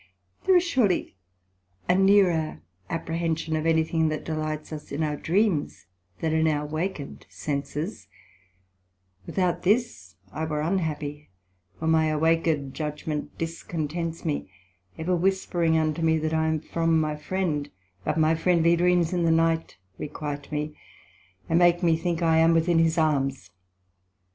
There is surely a neerer apprehension of any thing that delights us in our dreams, than in our waked senses; without this I were unhappy: for my awaked judgment discontents me, ever whispering unto me, that I am from my friend; but my friendly dreams in night requite me, and make me think I am within his arms.